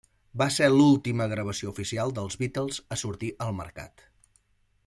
Va ser l'última gravació oficial dels Beatles a sortir al mercat.